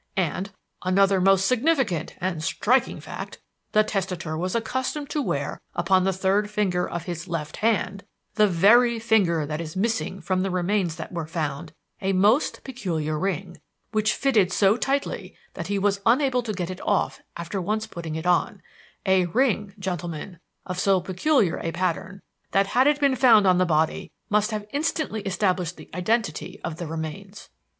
And another most significant and striking fact the testator was accustomed to wear upon the third finger of his left hand the very finger that is missing from the remains that were found a most peculiar ring, which fitted so tightly that he was unable to get it off after once putting it on; a ring, gentlemen, of so peculiar a pattern that had it been found on the body must have instantly established the identity of the remains.